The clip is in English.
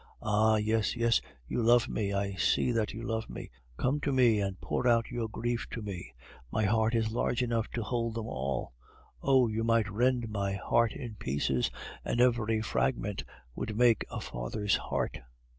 Ah! yes, yes, you love me, I see that you love me. Come to me and pour out your griefs to me; my heart is large enough to hold them all. Oh! you might rend my heart in pieces, and every fragment would make a father's heart.